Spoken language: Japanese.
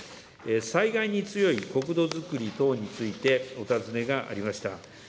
災害に強い国土づくり等についてお尋ねがありました。